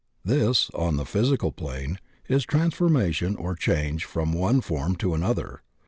This, on the physical plane, is transformation or change from one form to another.